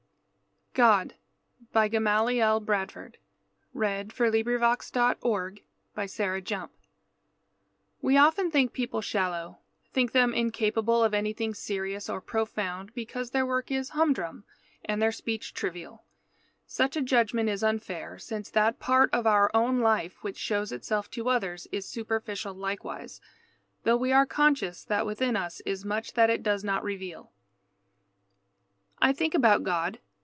_ From "The Voices of Song." [Illustration: JAMES WILLIAM FOLEY] GOD We often think people shallow, think them incapable of anything serious or profound, because their work is humdrum and their speech trivial. Such a judgment is unfair, since that part of our own life which shows itself to others is superficial likewise, though we are conscious that within us is much that it does not reveal. I think about God.